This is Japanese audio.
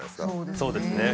そうですね。